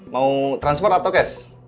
mau transfer atau cash